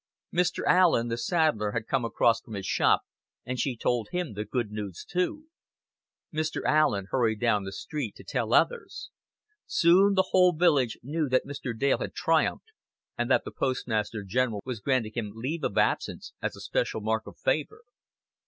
Mr. Allen, the saddler, had come across from his shop, and she told him the good news too. Mr. Allen hurried down the street to tell others. Soon the whole village knew that Mr. Dale had triumphed, and that the Postmaster General was granting him leave of absence as a special mark of favor.